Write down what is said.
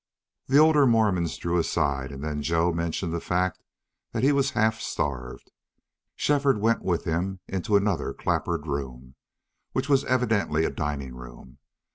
The older Mormons drew aside, and then Joe mentioned the fact that he was half starved. Shefford went with him into another clapboard room, which was evidently a dining room.